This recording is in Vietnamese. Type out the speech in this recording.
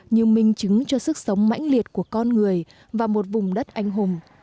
như minh chứng cho sức sống mãnh liệt của con người và một vùng đất anh hùng